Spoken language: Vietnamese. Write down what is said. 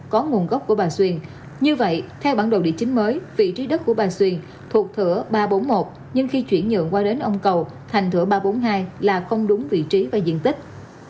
có nguồn gốc của bà xuyên như vậy theo bản đồ địa chính mới vị trí đất của bà xuyên thuộc thửa ba trăm bốn mươi một nhưng khi chuyển nhượng qua đến ông cầu thành thửa ba trăm bốn mươi hai là không đúng vị trí và diện tích